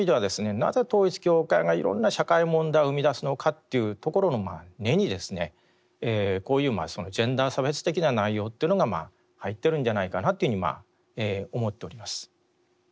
なぜ統一教会がいろんな社会問題を生みだすのかというところの根にですねこういうジェンダー差別的な内容というのが入っているんじゃないかなというふうに思っております。